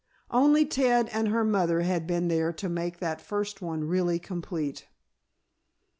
Only Ted and her mother had been there to make that first one really complete.